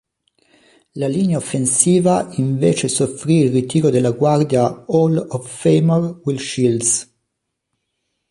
La linea offensiva invece soffrì il ritiro della guardia Hall of Famer Will Shields.